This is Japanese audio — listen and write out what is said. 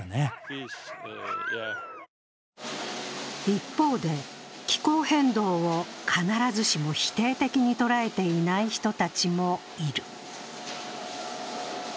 一方で、気候変動を必ずしも否定的に捉えていない人たちもいる。